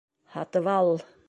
Һатыбал